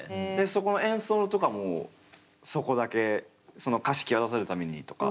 そこの演奏とかもそこだけその歌詞際立たせるためにとか？